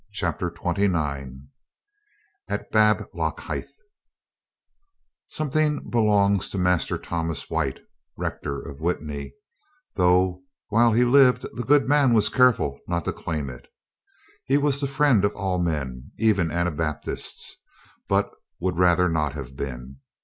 CHAPTER TWENT\^NINE AT BABLOCKHITHE OOMETHING belongs to Master Thomas White, ^^ rector of Witney, though while he lived the good man was careful not to claim it. He was the friend of all men, even Anabaptists, but would rather not have been.